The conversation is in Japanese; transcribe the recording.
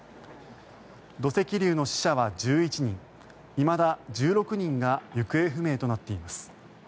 土石流の死者は１１人いまだ１６人が行方不明となっています。